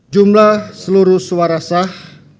jumlah seluruh suara sah